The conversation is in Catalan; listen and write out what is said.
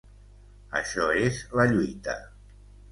Això és la lluita.